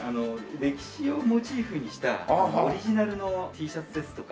歴史をモチーフにしたオリジナルのＴシャツですとか。